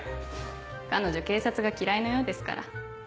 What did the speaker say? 彼女警察が嫌いのようですから。